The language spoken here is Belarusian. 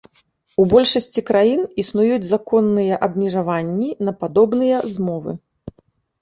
У большасці краін існуюць законныя абмежаванне на падобныя змовы.